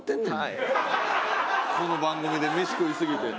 この番組で飯食いすぎて。